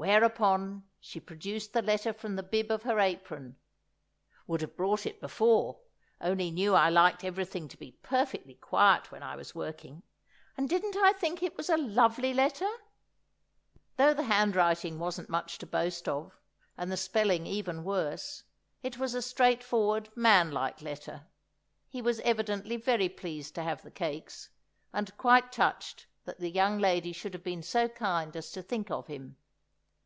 Whereupon she produced the letter from the bib of her apron—would have brought it before, only knew I liked everything to be perfectly quiet when I was working—and didn't I think it was a lovely letter? Though the handwriting wasn't much to boast of, and the spelling even worse, it was a straightforward, man like letter; he was evidently very pleased to have the cakes, and quite touched that the young lady should have been so kind as to think of him.